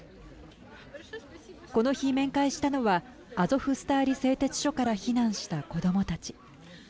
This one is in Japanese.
この日、面会したのはアゾフスターリ製鉄所から避難した子どもたち。